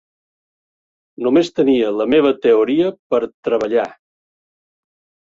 Només tenia la meva teoria per treballar.